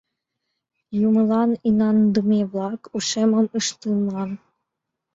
Юмылан инаныдыме-влак ушемым ыштыман.